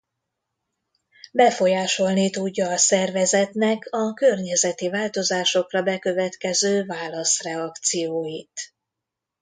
Befolyásolni tudja a szervezetnek a környezeti változásokra bekövetkező válaszreakcióit.